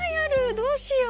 どうしよう！